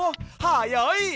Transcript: はやい！